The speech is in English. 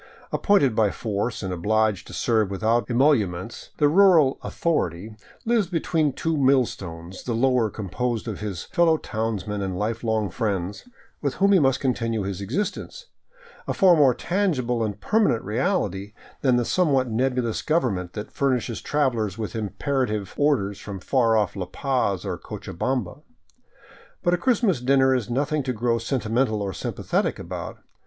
Appointed by force and obliged to serve without emoluments, the rural " authority " lives between two millstones, the lower composed of his fellow townsmen and lifelong friends, with whom he must continue his existence, a far more tangible and permanent reality than the somewhat nebulous government that furnishes travelers with imperative orders from far off La Paz or Co chabamba. But a Christmas dinner is nothing to grow sentimental or sympa thetic about.